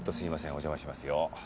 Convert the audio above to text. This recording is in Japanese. お邪魔しますよ。